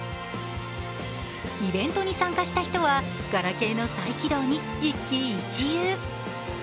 イベントに参加した人はガラケーの再起動に一喜一憂。